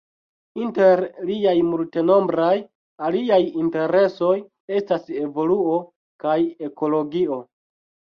Inter liaj multenombraj aliaj interesoj estas evoluo kaj ekologio.